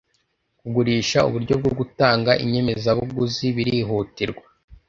Kugurisha uburyo bwo gutanga inyemezabuguzi birihutirwa